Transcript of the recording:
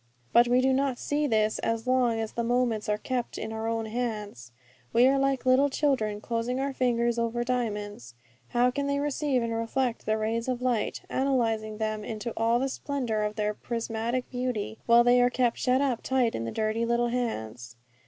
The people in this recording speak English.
But we do not see this as long as the moments are kept in our own hands. We are like little children closing our fingers over diamonds. How can they receive and reflect the rays of light, analyzing them into all the splendour of their prismatic beauty, while they are kept shut up tight in the dirty little hands?